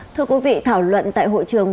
thưa quý vị thảo luận tại hội trường